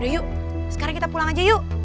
yuk sekarang kita pulang aja yuk